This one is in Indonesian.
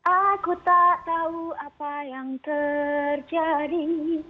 aku tak tahu apa yang terjadi